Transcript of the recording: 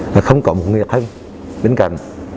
mà không có một người thân bên cạnh